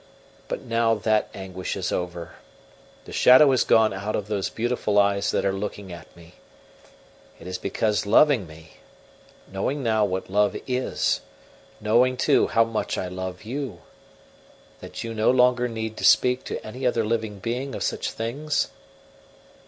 But now that anguish is over; the shadow has gone out of those beautiful eyes that are looking at me. It is because loving me, knowing now what love is, knowing, too, how much I love you, that you no longer need to speak to any other living being of such things?